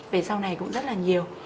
về sau này cũng rất là nhiều